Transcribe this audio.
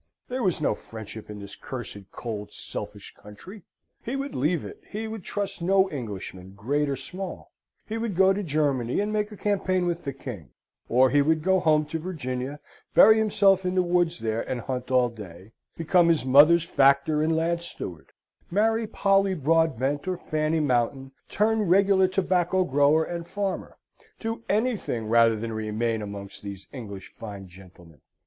There was no friendship in this cursed, cold, selfish country. He would leave it. He would trust no Englishman, great or small. He would go to Germany, and make a campaign with the king; or he would go home to Virginia, bury himself in the woods there, and hunt all day; become his mother's factor and land steward; marry Polly Broadbent, or Fanny Mountain; turn regular tobacco grower and farmer; do anything, rather than remain amongst these English fine gentlemen.